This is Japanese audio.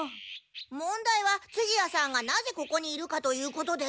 問題は次屋さんがなぜここにいるかということです。